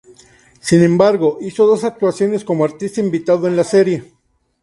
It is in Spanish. Sin embargo, hizo dos actuaciones como artista invitado en la serie.